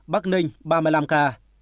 bắc ninh ba mươi năm ca